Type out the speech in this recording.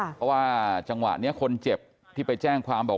เพราะว่าจังหวะนี้คนเจ็บที่ไปแจ้งความบอก